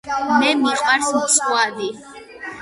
მე მიყვარს მწვადი